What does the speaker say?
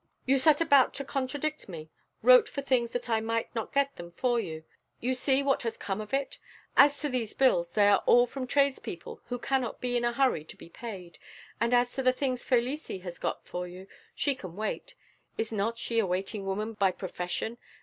"You set about to counteract me, wrote for things that I might not get them for you, you see what has come of it! As to these bills, they are all from tradespeople who cannot be in a hurry to be paid; and as to the things Felicie has got for you, she can wait, is not she a waiting woman by profession?